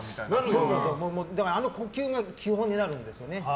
あの呼吸が基本になるんですよね。